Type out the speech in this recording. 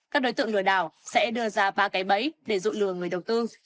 các đối tượng lừa đảo sẽ đưa ra ba cái bẫy để dụ lừa người đầu tư